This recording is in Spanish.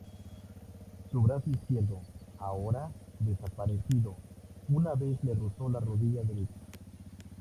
Su brazo izquierdo, ahora desaparecido, una vez le rozó la rodilla derecha.